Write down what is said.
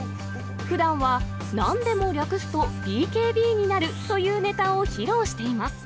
ふだんはなんでも略すとＢＫＢになるというネタを披露しています。